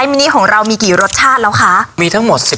อู้วววเป็นอีก๑๕ปี